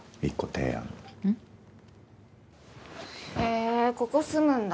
えぇここ住むんだ。